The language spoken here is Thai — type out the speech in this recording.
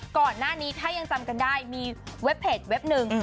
ก่อนหน้านี้ถ้ายังจำกันได้มีเว็บเพจเว็บหนึ่ง